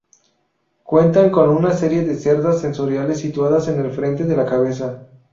Cuentan con una serie de cerdas sensoriales situadas en el frente de la cabeza.